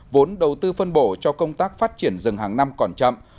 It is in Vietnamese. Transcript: vốn đầu tư phân bổ cho công tác phát triển rừng hàng năm còn chậm